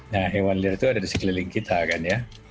nah hewan liar itu ada di sekeliling kita kan ya